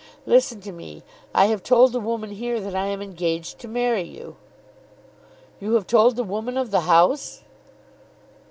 Listen to me. I have told the woman here that I am engaged to marry you." "You have told the woman of the house?"